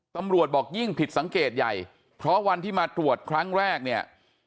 ตำรวจบอกยิ่งผิดสังเกตใหญ่เพราะวันที่มาตรวจครั้งแรกเนี่ย